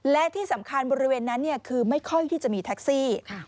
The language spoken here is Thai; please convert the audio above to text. และที่สำคัญบริเวณนั้นคือไม่ค่อยที่จะมีแท็กซี่